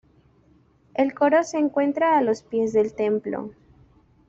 El coro se encuentra a los pies del templo.